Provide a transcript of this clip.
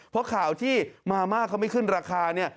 เพราะข่าวที่มาม่าเขาไม่ขึ้นราคาเนี่ย